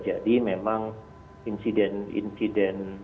jadi saya pikir ini adalah strategi yang harus diperhatikan